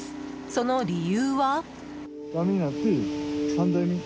その理由は？